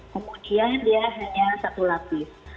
kemudian dia hanya satu lapis